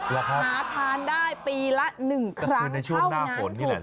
หาทานได้ปีละหนึ่งครั้งเท่านั้นถูกต้อง